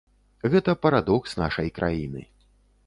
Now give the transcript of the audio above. Гэта парадокс нашай краіны.